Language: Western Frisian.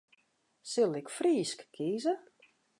Sil ik Frysk kieze?